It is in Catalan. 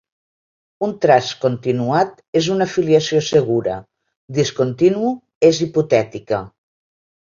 Un traç continuat és una filiació segura, discontinu és hipotètica.